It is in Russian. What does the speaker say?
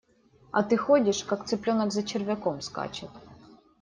А ты ходишь, как цыпленок за червяком скачет.